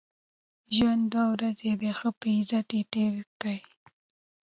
ژوند دوې ورځي دئ؛ ښه په عزت ئې تېر کئ!